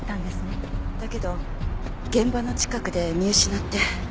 だけど現場の近くで見失って。